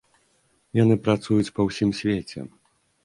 Яны працуюць па ўсім свеце.